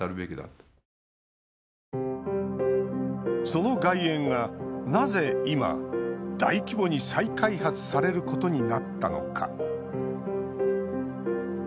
その外苑がなぜ今、大規模に再開発されることになったのか。